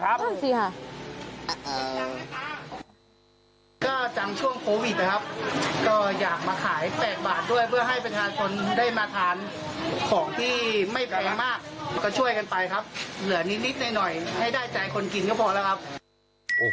ถามจริงค่ะ